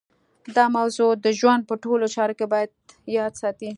دا موضوع د ژوند په ټولو چارو کې په ياد ساتئ.